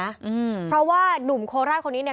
อืมเพราะว่านุ่มโคราชคนนี้เนี่ย